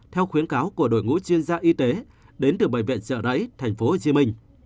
theo khuyến cáo của đội ngũ chuyên gia y tế đến từ bệnh viện sở đẩy tp hcm